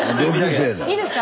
いいですか？